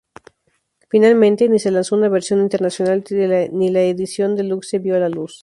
Finalmente, ni se lanzó una versión internacional ni la edición "deluxe" vio la luz.